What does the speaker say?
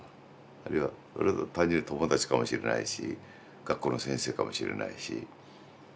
あるいは俺の単純に友達かもしれないし学校の先生かもしれないし。